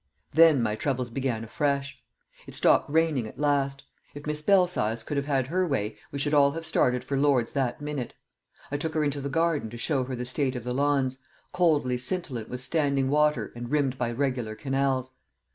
Then my troubles began afresh. It stopped raining at last; if Miss Belsize could have had her way we should all have started for Lord's that minute. I took her into the garden to show her the state of the lawns, coldly scintillant with standing water and rimmed by regular canals.